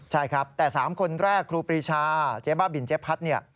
ใช่ครับแต่สามคนแรกครูปีชาเจ๊บ้าบินเจ๊พัด